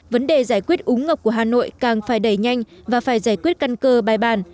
vấn đề giải quyết úng ngập của hà nội càng phải đẩy nhanh và phải giải quyết căn cơ bài bàn